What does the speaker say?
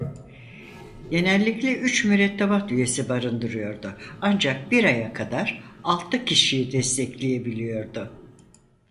Genellikle üç mürettebat üyesini barındırıyordu ancak bir aya kadar altı kişiyi destekleyebiliyordu.